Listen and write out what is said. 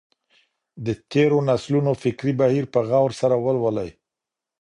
د تېرو نسلونو فکري بهير په غور سره ولولئ.